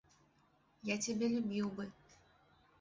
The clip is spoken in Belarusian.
Я цябе любіў бы.